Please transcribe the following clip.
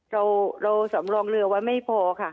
เราสำรองเรือไว้ไม่พอค่ะ